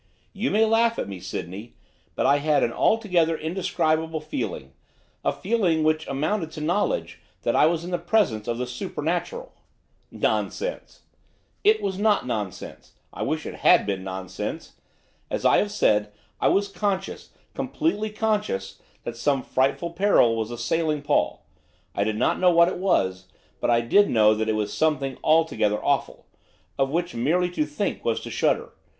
You may laugh at me, Sydney, but I had an altogether indescribable feeling, a feeling which amounted to knowledge, that I was in the presence of the supernatural.' 'Nonsense!' 'It was not nonsense, I wish it had been nonsense. As I have said, I was conscious, completely conscious, that some frightful peril was assailing Paul. I did not know what it was, but I did know that it was something altogether awful, of which merely to think was to shudder.